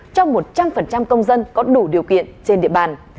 cho một trăm linh công dân có đủ điều kiện trên địa bàn